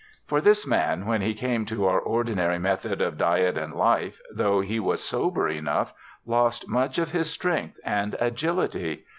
For this man, when he came to our ordinary method of diet and life, tho he was sober enough, lost' much of his strength and agility.